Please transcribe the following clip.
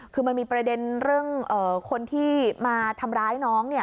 คือมันมีประเด็นเรื่องคนที่มาทำร้ายน้อง